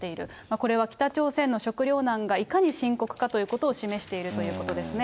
これは北朝鮮の食糧難がいかに深刻かということを示しているということですね。